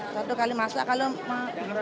satu kali masak kalau